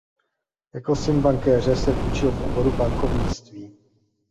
Jako syn bankéře se vyučil v oboru bankovnictví.